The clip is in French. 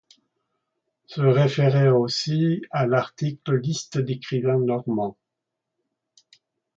Se référer aussi à l'article Liste d'écrivains normands.